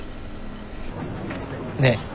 ねえ？